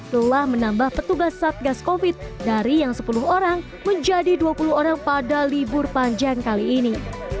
telah menambah petugas satgas covid dari yang sepuluh orang menjadi dua puluh orang pada libur panjang kali ini